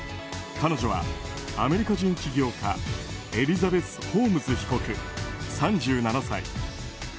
彼女はアメリカ人企業家エリザベス・ホームズ被告３７歳。